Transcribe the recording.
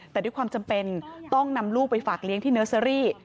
แต่ด้วยความจำเป็นต้องนำลูกไปฝากเลี้ยงที่เนอร์เซอรี่